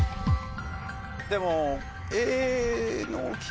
でも。